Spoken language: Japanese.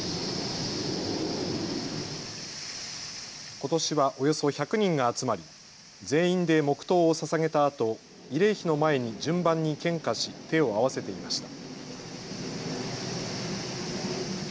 ことしはおよそ１００人が集まり全員で黙とうをささげたあと慰霊碑の前に順番に献花し手を合わせていました。